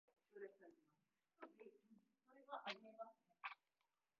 機会がたくさんあるよ